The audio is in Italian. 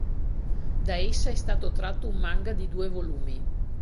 Da essa è stato tratto un manga di due volumi.